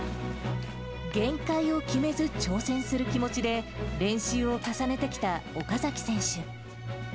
限界を決めず挑戦する気持ちで、練習を重ねてきた岡崎選手。